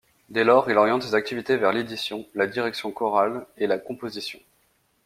Dès lors, il oriente ses activités vers l'édition, la direction chorale et la composition.